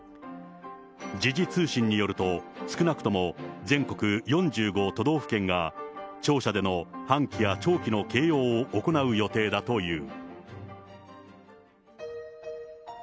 時事通信によると、少なくとも全国４５都道府県が、庁舎での半旗やちょうけいの掲揚を行う予定だという。